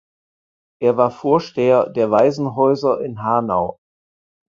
Er war Vorsteher der Waisenhäuser in Hanau.